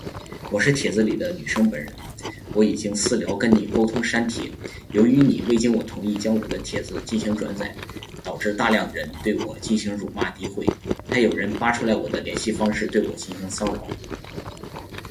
我是帖子里的女生本人，我已经私聊跟你沟通删帖，由于你未经我同意将我的帖子进行转载，导致大量人对我进行辱骂诋毁，还有人扒出来我的联系方式对我进行骚扰